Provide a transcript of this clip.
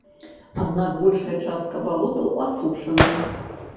Аднак большая частка балотаў асушаны.